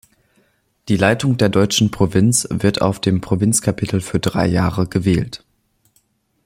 Die Leitung der deutschen Provinz wird auf dem Provinzkapitel für drei Jahre gewählt.